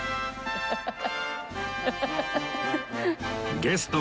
ハハハハ！